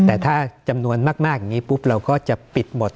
แต่ถ้าจำนวนมากอย่างนี้ปุ๊บเราก็จะปิดหมด